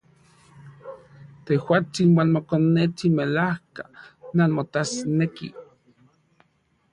Tejuatsin uan mokonetsin melajka nanmotasnekij.